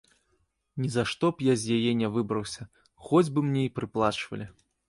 Нізашто б я з яе не выбраўся, хоць бы мне й прыплачвалі.